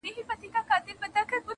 شپه اوږده او درنه وي تل,